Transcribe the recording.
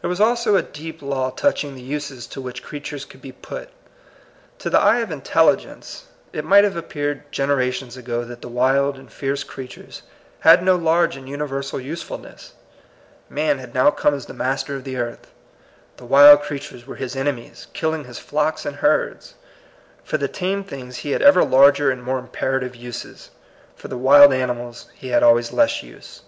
There was also a deep law touching the uses to which , creatures could be put. To the eye of intelligence it might have appeared gen erations ago that the wild and fierce crea tures had no large and universal usefulness. Man had now come as the master of the earth. The wild creatures were his ene mies, killing his flocks and herds. For the tame things he had ever larger and more imperative uses. For the wild ani mals he had always less use.